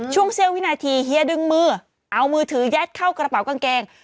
เสี้ยววินาทีเฮียดึงมือเอามือถือยัดเข้ากระเป๋ากางเกง